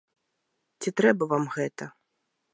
Ці трэба вам гэта?